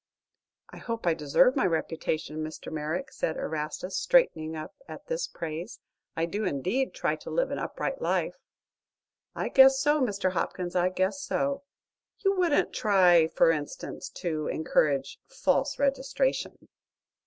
"I hope I deserve my reputation, Mr. Merrick," said Erastus, straightening up at this praise. "I do, indeed, try to live an upright life." "I guess so, Mr. Hopkins, I guess so. You wouldn't try, for instance, to encourage false registration."